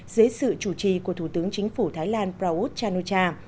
dưới sự chủ trì của thủ tướng chính phủ thái lan prayuth chan o cha